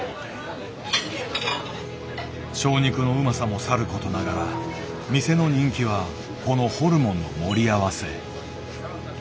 正肉のうまさもさることながら店の人気はこのホルモンの盛り合わせ。